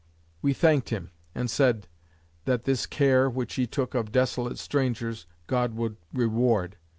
We thanked him, and said, "That this care, which he took of desolate strangers, God would reward."